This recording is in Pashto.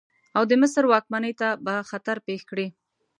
او د مصر واکمنۍ ته به خطر پېښ کړي.